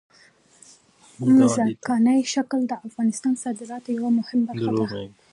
ځمکنی شکل د افغانستان د صادراتو یوه مهمه برخه جوړوي.